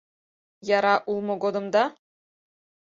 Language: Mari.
Яра улмо годымда